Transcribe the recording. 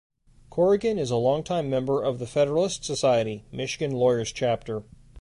Corrigan is a long-time member of the Federalist Society, Michigan Lawyers Chapter.